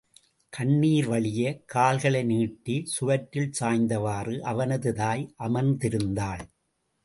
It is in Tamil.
கண்ணீர் வழிய, கால்களை நீட்டி சுவற்றில் சாய்ந்தவாறு அவனது தாய் அமர்ந்திருந்தாள்.